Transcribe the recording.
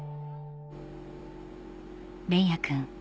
連也君